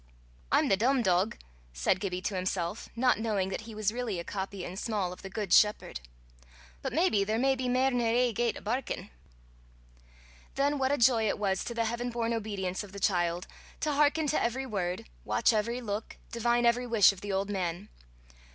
"I'm the dumb dog!" said Gibbie to himself, not knowing that he was really a copy in small of the good shepherd; "but maybe there may be mair nor ae gait o' barkin'." Then what a joy it was to the heaven born obedience of the child, to hearken to every word, watch every look, divine every wish of the old man!